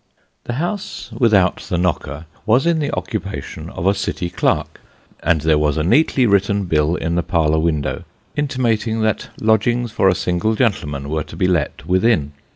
The house without the knocker was in the occupation of a City clerk, and there was a neatly written bill in the parlour window intimating that lodgings for a single gentleman were to be let within.